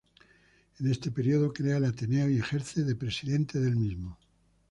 En este período crea el Ateneo y ejerce de Presidente del mismo.